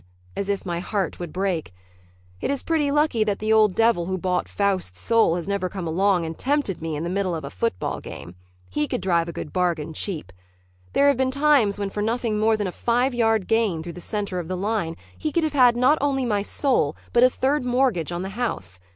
as if my heart would break. It is pretty lucky that the old devil who bought Faust's soul has never come along and tempted me in the middle of a football game. He could drive a good bargain cheap. There have been times when for nothing more than a five yard gain through the center of the line he could have had not only my soul, but a third mortgage on the house.